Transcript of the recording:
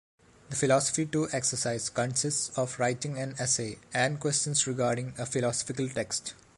The Philosophy two exercise consists of writing an essay and questions regarding a philosophical text.